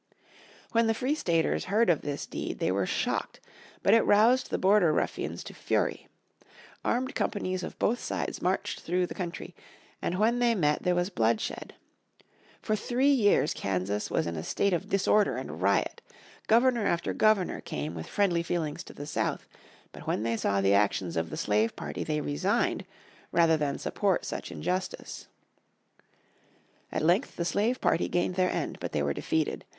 When the Free Staters heard of this deed they were shocked. But it roused the Border Ruffians to fury. Armed companies of both sides marched through the country, and when they met, there was bloodshed. For three years Kansas was in a state of disorder and riot. Governor after governor came with friendly feelings to the South. But when they saw the actions of the slave party they resigned rather than support such injustice. At length the slave party gained their end, but they were defeated.